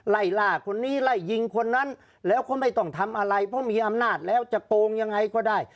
ไล่ล่าคนนี้ไล่ยิงคนนั้นแล้วเขาไม่ต้องทำอะไรเพราะมีอำนาจแล้วจะโกงยังไงก็ได้